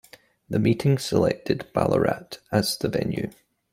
The meeting selected Ballarat as the venue.